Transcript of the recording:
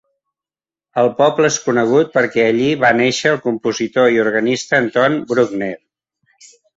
El poble és conegut perquè allí va néixer el compositor i organista Anton Bruckner.